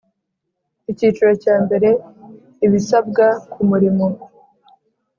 Icyiciro cya mbere Ibisabwa ku murimo